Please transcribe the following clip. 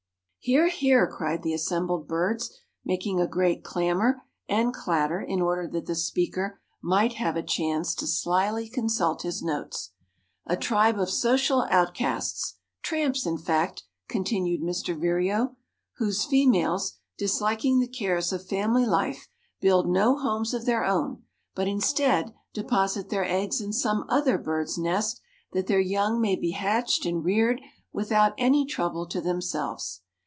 "Hear, hear!" cried the assembled birds, making a great clamor and clatter in order that the speaker might have a chance to slyly consult his notes. "A tribe of social outcasts tramps, in fact," continued Mr. Vireo, "whose females, disliking the cares of family life, build no homes of their own, but instead deposit their eggs in some other bird's nest that their young may be hatched and reared without any trouble to themselves.